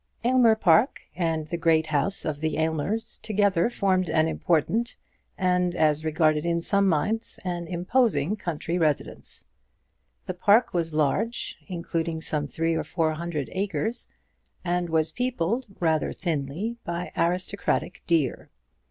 Aylmer Park and the great house of the Aylmers together formed an important, and, as regarded in some minds, an imposing country residence. The park was large, including some three or four hundred acres, and was peopled, rather thinly, by aristocratic deer.